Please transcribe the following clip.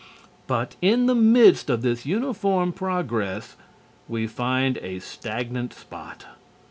But in the midst of this uniform progress we find a stagnant spot.